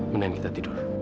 mendingan kita tidur